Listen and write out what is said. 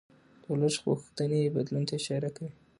د ولس غوښتنې بدلون ته اشاره کوي